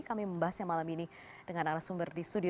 kami membahasnya malam ini dengan arah sumber di studio